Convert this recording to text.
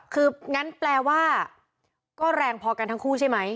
คืองั้นแปลว่าก็แรงพอกันทั้งคู่ใช่ไหม